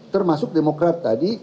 termasuk demokrat tadi